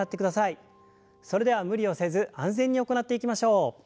それでは無理をせず安全に行っていきましょう。